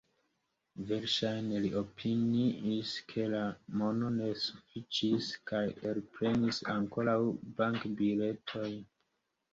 Verŝajne li opiniis, ke la mono ne sufiĉis, kaj elprenis ankoraŭ bankbiletojn.